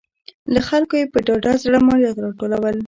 له خلکو یې په ډاډه زړه مالیات راټولول